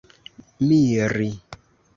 miri